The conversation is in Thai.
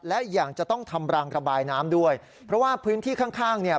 และอย่างจะต้องทำรางระบายน้ำด้วยเพราะว่าพื้นที่ข้างข้างเนี่ย